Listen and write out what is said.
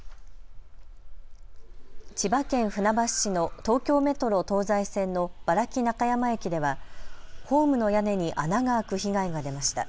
千葉県船橋市の東京メトロ東西線の原木中山駅ではホームの屋根に穴が開く被害が出ました。